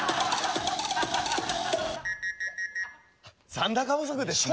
残高不足ですね。